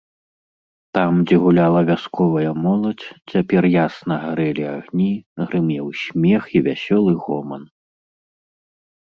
Там, дзе гуляла вясковая моладзь, цяпер ясна гарэлі агні, грымеў смех і вясёлы гоман.